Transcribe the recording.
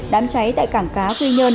đám cháy tại cảng cá quy nhơn